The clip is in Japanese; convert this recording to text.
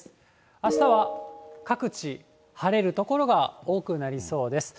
あしたは各地晴れる所が多くなりそうです。